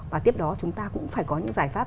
và tiếp đó chúng ta cũng phải có những giải pháp